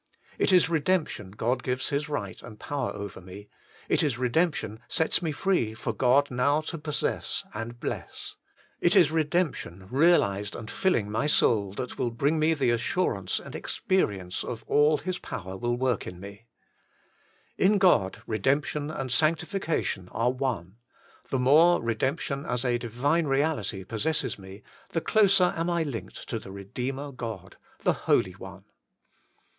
1 It is redemption gives God His right and power over me ; 1 See Note A on Holiness as Proprietorship. D 50 HOLY IN CHRIST. it is redemption sets me free for God now to possess and bless : it is redemption realized and filling my soul, that will bring me the assurance and experi ence of all His power will work in me. In God, redemption and sanctification are one : the more re demption as a Divine reality possesses me, the closer am I linked to the Eedeemer God, the Holy One.